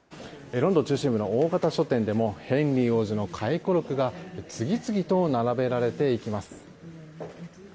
ロンドン中心部の大型書店でもヘンリー王子の回顧録が次々と並べられていきます。